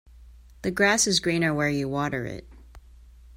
The grass is greener where you water it.